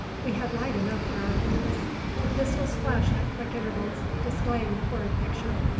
We had light enough for our purpose. The pistols flashed at quick intervals, displaying the horrid picture.